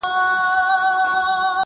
که لور ته مینه ورکړو نو پردی نه کیږي.